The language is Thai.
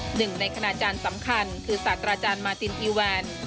หนึ่งในขณะจานสำคัญคือสัตราจารย์มาร์ตินอีวาน